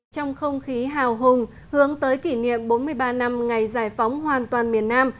trong không khí hào hùng hướng tới kỷ niệm bốn mươi ba năm ngày giải phóng hoàn toàn miền nam